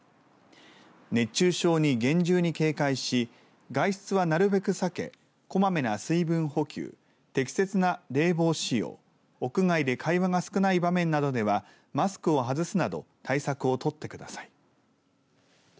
熱中症に厳重に警戒し外出はなるべく避けこまめな水分補給適切な冷房使用屋外で会話が少ない場面などではマスクを外すなど対策を取ってください。